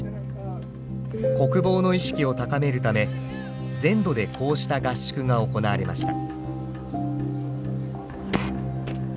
国防の意識を高めるため全土でこうした合宿が行われました。